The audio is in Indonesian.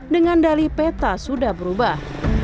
dengan dali peta sudah berubah